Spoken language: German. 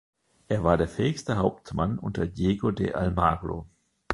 Er war der fähigste Hauptmann unter Diego de Almagro.